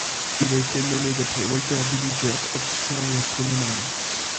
Il a été nommé d'après Walter Villiger, opticien et astronome allemand.